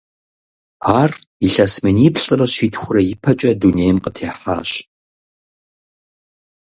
Ар илъэс миниплӏрэ щитхурэ ипэкӀэ дунейм къытехьащ.